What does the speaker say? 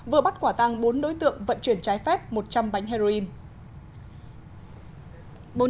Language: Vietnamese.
vừa bắt quả tăng bốn đối tượng vận chuyển trái phép một trăm linh bánh heroin